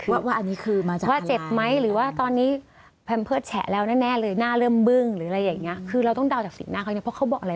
ว่าอันนี้คือมาจากทางลาย